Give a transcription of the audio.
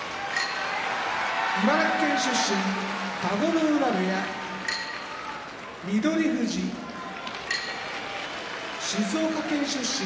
茨城県出身田子ノ浦部屋翠富士静岡県出身